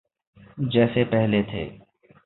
جیسے پہلے تھے۔